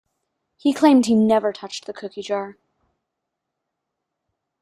He claimed he never touched the cookie jar.